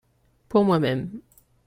Pour moi-même.